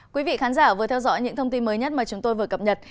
quý vị khán giả vừa theo dõi những thông tin mới nhất mà chúng tôi vừa cập nhật